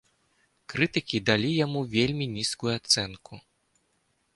Крытыкі далі яму вельмі нізкую ацэнку.